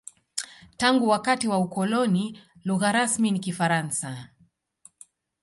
Tangu wakati wa ukoloni, lugha rasmi ni Kifaransa.